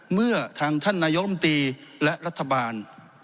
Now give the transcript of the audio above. เมื่อทางท่านนายกรรมตรีและรัฐบาล